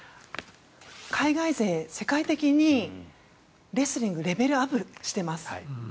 海外勢世界的にレスリングレベルアップしています。